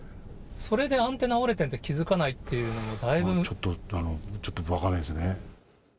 それでアンテナが折れてるって気付かないっていうのも、だいちょっと分からないですね。